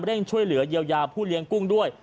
ช่วยเหลือเยียวยาผู้เลี้ยงกุ้งด้วย